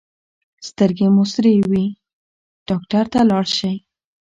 که سترګې مو سرې وي ډاکټر ته لاړ شئ.